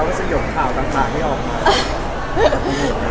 ว่าสะหยกข่าวต่างให้ออกมา